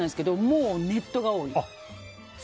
もう、ネットが多い。